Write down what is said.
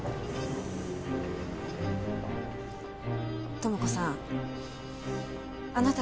友子さんあなた